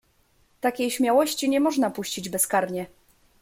"Takiej śmiałości nie można puścić bezkarnie."